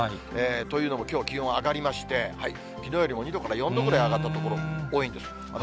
というのも、きょう気温上がりまして、きのうよりも２度から４度ぐらい上がった所が多いんです。